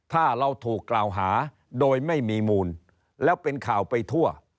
ถ้าเราถูกกล่าวหาโดยไม่มีมูลแล้วเป็นข่าวไปทั่ว